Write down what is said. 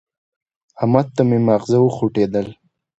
احمد ته مې ماغزه وخوټېدل.